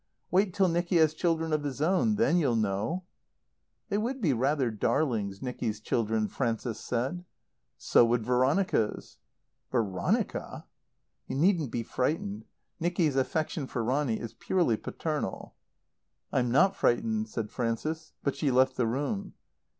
Wait till Nicky has children of his own. Then you'll know." "They would be rather darlings, Nicky's children," Frances said. "So would Veronica's." "Ver onica?" You needn't be frightened. Nicky's affection for Ronny is purely paternal." "I'm not frightened," said Frances. But she left the room.